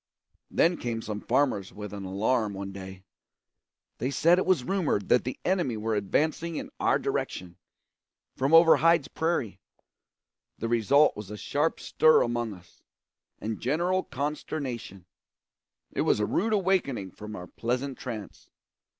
Then came some farmers with an alarm one day. They said it was rumoured that the enemy were advancing in our direction, from over Hyde's prairie. The result was a sharp stir among us, and general consternation. It was a rude awakening from our pleasant trance.